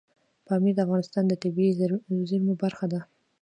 پامیر د افغانستان د طبیعي زیرمو برخه ده.